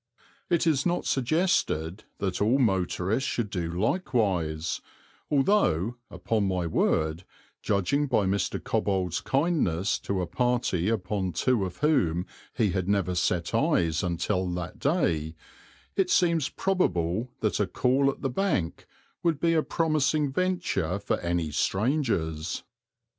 It is not suggested that all motorists should do likewise, although, upon my word, judging by Mr. Cobbold's kindness to a party upon two of whom he had never set eyes until that day, it seems probable that a call at the Bank would be a promising venture for any strangers.